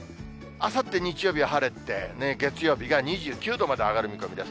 あさって日曜日は晴れて、月曜日が２９度まで上がる見込みです。